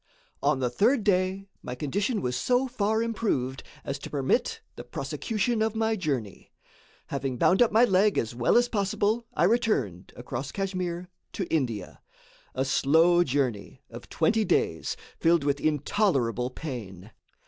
On the third day, my condition was so far improved as to permit the prosecution of my journey. Having bound up my leg as well as possible, I returned, across Kachmyr, to India; a slow journey, of twenty days, filled with intolerable pain.